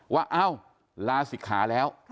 ว่าเอ้าลาศิกขาแล้ว